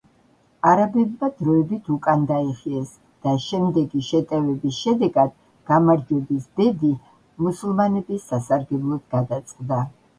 არაბებმა დროებით უკან დაიხიეს და შემდეგი შეტევების შედეგად გამარჯვების ბედი მუსულმანების სასარგებლოდ გადაწყდა.